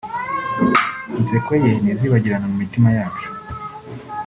inseko ye ntizibagirana mu mitima yacu